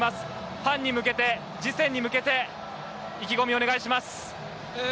ファンに向けて次戦に向けて意気込みをお願いします。